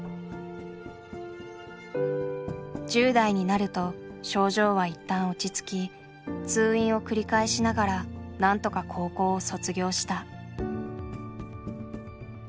１０代になると症状は一旦落ち着き通院を繰り返しながらなんとか高校を卒業した。